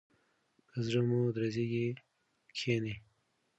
که زړه مو درزیږي کښینئ.